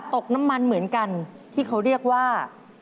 ตกน้ำมันเหมือนกันที่เขาเรียกว่า